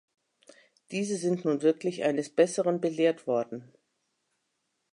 Diese sind nun wirklich eines Besseren belehrt worden.